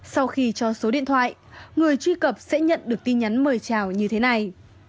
sau khi cho số điện thoại người truy cập sẽ nhận được tin nhắn mời trào như thế này